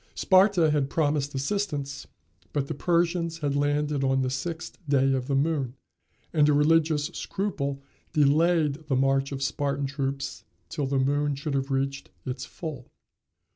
Sparta had promised assistance, but the Persians had landed on the sixth day of the moon, and a religious scruple delayed the march of Spartan troops till the moon should have reached its full.